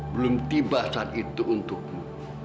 belum tiba saat itu untukmu